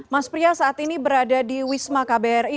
mas pria saat ini berada di wisma kbri